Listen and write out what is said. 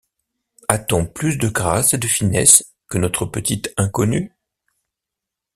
A-t-on plus de grâce et de finesse que notre petite inconnue?